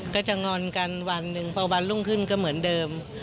ก็จะงอนกันวันหนึ่งพอวันรุ่งขึ้นก็เหมือนเดิม